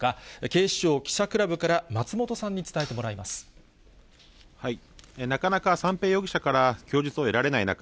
警視庁記者クラブから松本さんになかなか三瓶容疑者から供述を得られない中、